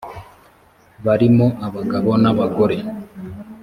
barimo abagabo n abagore